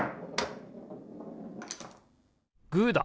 グーだ！